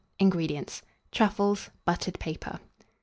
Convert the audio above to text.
INGREDIENTS. Truffles, buttered paper.